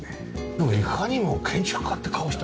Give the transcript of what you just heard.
なんかいかにも建築家って顔して。